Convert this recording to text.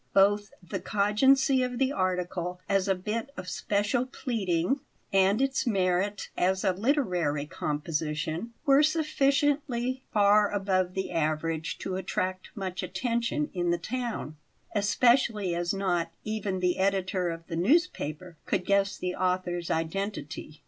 Both the cogency of the article as a bit of special pleading and its merit as a literary composition were sufficiently far above the average to attract much attention in the town, especially as not even the editor of the newspaper could guess the author's identity.